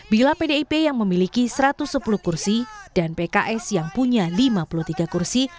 bila pdip yang memiliki satu ratus sepuluh kursi dan pks yang punya lima puluh tiga kursi